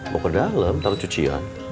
mau ke dalam taruh cucian